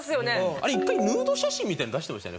あれ１回ヌード写真みたいなの出してましたよね？